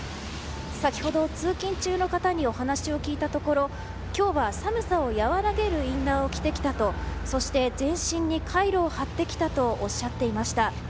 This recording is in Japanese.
先ほど、通勤中の方にお話を聞いたところ今日は寒さを和らげるインナーを着てきたとそして全身にカイロを貼ってきたとおっしゃっていました。